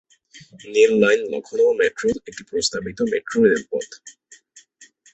নীল line Lucknow মেট্রোর একটি প্রস্তাবিত মেট্রো রেলপথ।